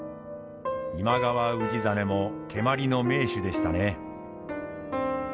今川氏真も蹴鞠の名手でしたね。